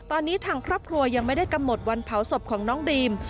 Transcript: ตอนนี้ทางครอบครัวยังไม่ได้กำหนดวันเผาศพของน้องดรีม